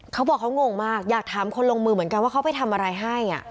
เขาบอกเขางงมากอยากถามคนลงมือเหมือนกันว่าเขาไปทำอะไรให้